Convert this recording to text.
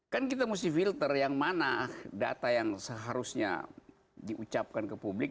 kan kita mesti filter yang mana data yang seharusnya diucapkan ke publik